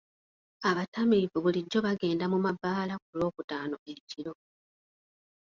Abatamiivu bulijjo bagenda mu mabbaala ku lwokutaano ekiro.